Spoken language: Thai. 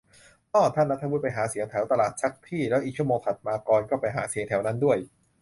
เอ้อ ถ้าณัฐวุฒิไปหาเสียงแถวตลาดซักที่ แล้วอีกชั่วโมงถัดมา กรณ์ก็ไปหาเสียงแถวนั้นด้วย